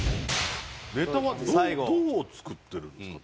ネタはどうどう作ってるんですか？